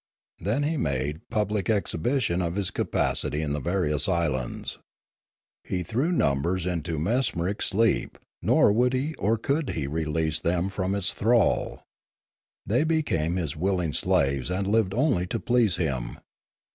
Then he made public exhibition of his capacity in the various islands. He threw numbers into mesmeric sleep, nor would he or could he release them from its thrall. They became his willing slaves and lived only to please him.